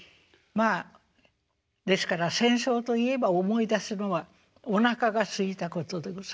まあですから戦争といえば思い出すのはおなかがすいたことでございます。